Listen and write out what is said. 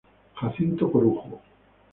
Jacinto Corujo.